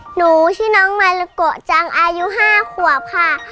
หนูชื่อน้องมาลาโกจังอายุ๕ขวบค่ะ